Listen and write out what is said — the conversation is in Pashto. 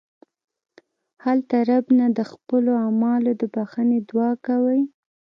هلته رب نه د خپلو اعمالو د بښنې دعا کوئ.